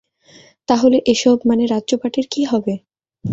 তাহলে এসব, মানে রাজ্যপাটের কী হবে?